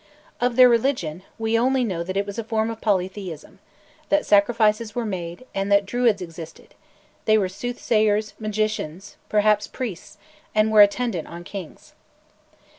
Of the religion, we only know that it was a form of polytheism; that sacrifices were made, and that Druids existed; they were soothsayers, magicians, perhaps priests, and were attendant on kings.